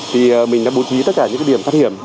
thì mình đã bố trí tất cả những điểm thoát hiểm